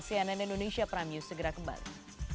cnn indonesia prime news segera kembali